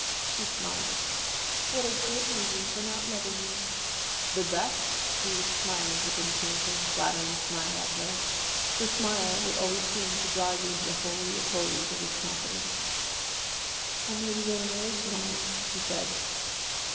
She smiled. "What a good reason for not loving me!" "The best!" He was smiling his enchanting, flattering smile at her the smile that always seemed to draw you into the Holy of Holies of his confidence. "I may be going away to morrow," she said.